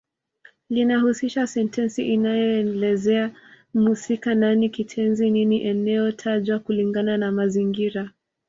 Linahusisha sentensi inayoelezea mhusika nani kitenzi nini eneo tajwa kulingana na mazingira